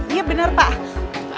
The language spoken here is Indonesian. iya benar pak